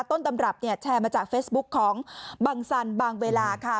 ต้นตำรับเนี่ยแชร์มาจากเฟซบุ๊คของบังสันบางเวลาค่ะ